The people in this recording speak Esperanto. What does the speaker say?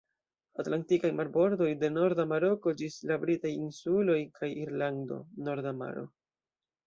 Atlantikaj marbordoj, de norda Maroko ĝis la britaj insuloj kaj Irlando; Norda Maro.